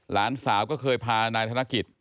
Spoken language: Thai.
หลานสาวก็เคยพานายธนกิจ